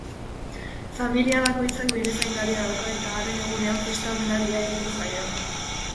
Familia bakoitzak bere zaindaria dauka eta haren egunean festa-omenaldia egiten zaio.